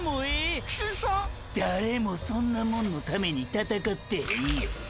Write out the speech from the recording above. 誰もそんなもんのために闘ってへんよ